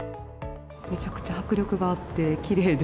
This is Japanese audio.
めちゃくちゃ迫力があって、きれいで。